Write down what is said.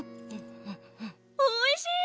おいしい！